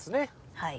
はい。